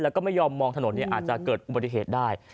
แล้วก็ไม่ยอมมองถนนอาจจะเกิดอุบัติเหตุได้